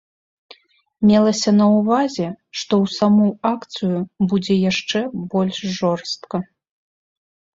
Мелася на ўвазе, што ў саму акцыю будзе яшчэ больш жорстка.